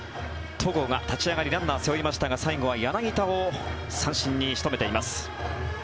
戸郷が立ち上がりランナー背負いましたが最後は柳田を三振に仕留めています。